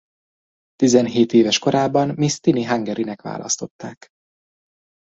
Tizenhét éves korában Miss Tini Hungarynek választották.